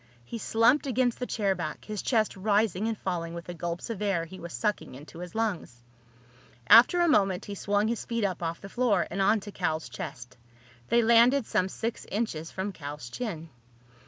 He slumped against the chair back, his chest rising and falling with the gulps of air he was sucking into his lungs. After a moment he swung his feet up off the floor and onto Cal's chest. They landed some six inches from Cal's chin.